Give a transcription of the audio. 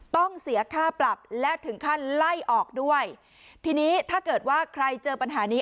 ต้องเสียค่าปรับและถึงขั้นไล่ออกด้วยทีนี้ถ้าเกิดว่าใครเจอปัญหานี้